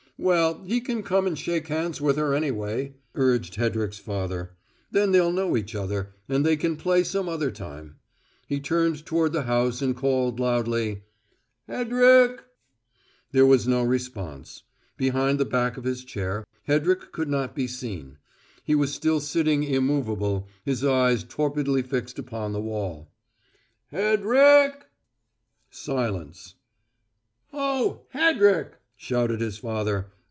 "Well, he can come and shake hands with her anyway," urged Hedrick's father. "Then they'll know each other, and they can play some other time." He turned toward the house and called loudly: "Hedrick!" There was no response. Behind the back of his chair Hedrick could not be seen. He was still sitting immovable, his eyes torpidly fixed upon the wall. "Hed rick!" Silence. "Oh, Hed rick!" shouted his father.